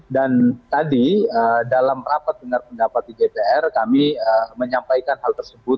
dan tadi dalam rapat dengan pendapat di jpr kami menyampaikan hal tersebut